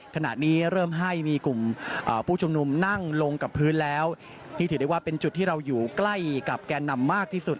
ขณะนี้เริ่มให้มีกลุ่มผู้ชุมนุมนั่งลงกับพื้นแล้วที่ถือได้ว่าเป็นจุดที่เราอยู่ใกล้กับแกนนำมากที่สุด